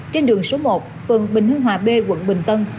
trên đường số một phường bình hưng hòa b quận bình tân